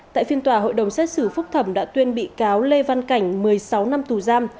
tại phiên tòa hội đồng xét xử phúc thẩm đã tuyên bị cáo lê văn cảnh một mươi sáu năm tù giam